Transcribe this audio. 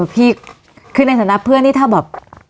พี่คือในฐานะเพื่อนนี่ถ้าแบบ